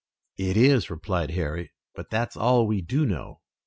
"It is," replied Harry, "but that's all we do know.